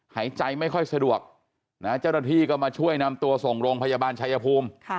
หายใจไม่ค่อยสะดวกเจ้าหน้าที่ก็มาช่วยนำตัวส่งโรงพยาบาลชายภูมิ